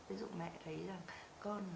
ví dụ mẹ thấy là con